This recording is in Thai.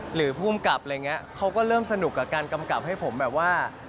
หรือผู้อำกับอะไรอย่างนี้เขาก็เริ่มสนุกกับการกำกับให้ผมแบบว่า